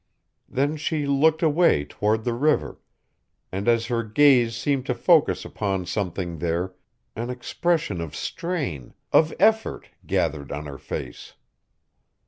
Then she looked away toward the river, and as her gaze seemed to focus upon something there, an expression of strain, of effort, gathered on her face.